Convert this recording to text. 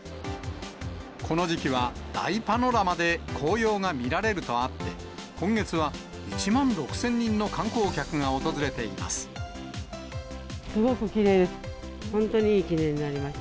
この時期は大パノラマで紅葉が見られるとあって、今月は、１万６０００人の観光客が訪れています。